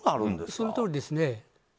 そのとおりですね。